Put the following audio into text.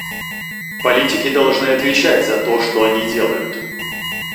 Политики должны отвечать за то, что они делают.